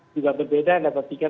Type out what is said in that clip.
juga berbeda level tiga